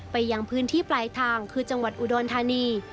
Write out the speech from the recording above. ยังพื้นที่ปลายทางคือจังหวัดอุดรธานี